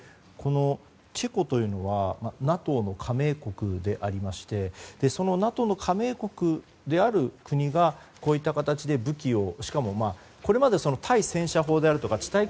このチェコというのはＮＡＴＯの加盟国でありましてそのＮＡＴＯの加盟国である国がこういった形で武器をしかも、これまで対戦車砲であるとか地